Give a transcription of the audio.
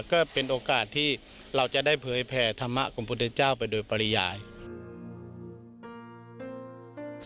ก็เป็นโอกาสที่เราจะได้เผยแผ่ธรรมะของพุทธเจ้าไปโดยปริยาย